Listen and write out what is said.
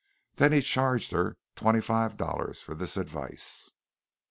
Then he charged her twenty five dollars for this advice.